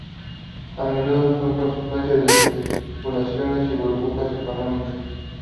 A menudo son consecuencia de especulaciones y burbujas económicas.